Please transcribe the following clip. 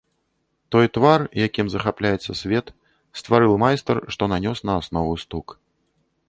Той твар, якім захапляецца свет, стварыў майстар, што нанёс на аснову стук.